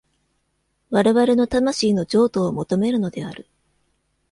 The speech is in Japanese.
我々の魂の譲渡を求めるのである。